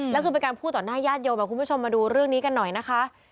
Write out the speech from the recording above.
แล้วคือเป็นการพูดต่อหน้าญาติโยมคุณผู้ชมมาดูเรื่องนี้กันหน่อยนะคะ